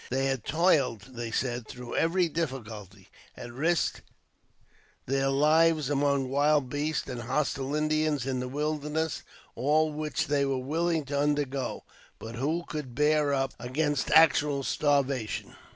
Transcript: They had toiled, they said, through every difficulty ; had risked their lives among wild beasts and hostile Indians in the wilderness, all JAMES P. BECKWOURTH. 77 which they were willing to undergo ; but who could bear up against actual starvation